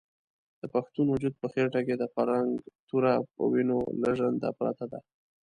د پښتون وجود په خېټه کې د فرنګ توره په وینو لژنده پرته ده.